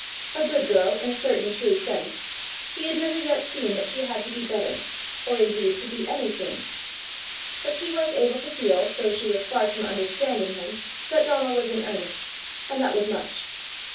A good girl in a certain true sense, she had never yet seen that she had to be better, or indeed to be anything. But she was able to feel, though she was far from understanding him, that Donal was in earnest, and that was much.